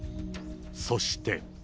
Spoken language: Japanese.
そして。